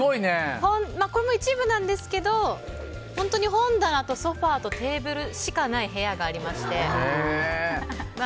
これは一部なんですけど本当に本棚とソファとテーブルしかない部屋がありまして。